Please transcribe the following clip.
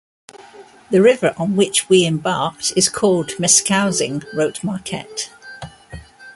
"The river on which we embarked is called Meskousing," wrote Marquette.